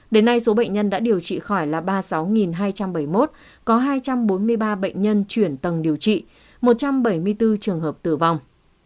đến nay số bệnh nhân đã điều trị khỏi là ba mươi sáu hai trăm bảy mươi một có hai trăm bốn mươi ba bệnh nhân chuyển tầng điều trị một trăm bảy mươi bốn trường hợp tử vong